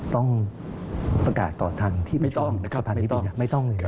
ต้องประกาศต่อทางที่ผู้สำเร็จราชการแทนพระองค์